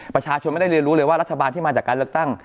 ประชาชนไม่ได้เรียนรู้เลยว่ารัฐบาลที่มาจากการเลือกตั้ง